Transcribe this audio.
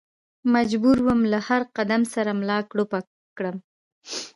مجبور ووم له هر قدم سره ملا کړوپه کړم.